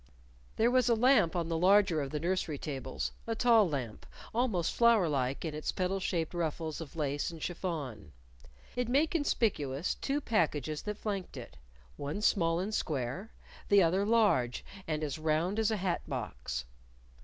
There was a lamp on the larger of the nursery tables, a tall lamp, almost flower like with its petal shaped ruffles of lace and chiffon. It made conspicuous two packages that flanked it one small and square; the other large, and as round as a hat box.